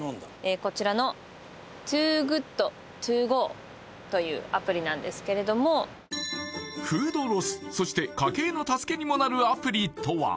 こちらの「ＴｏｏＧｏｏｄＴｏＧｏ」というアプリなんですけれどもフードロスそして家計の助けにもなるアプリとは？